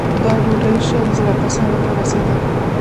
دا ډوډۍ شل زره کسانو ته رسېده.